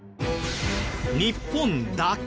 日本だけ！？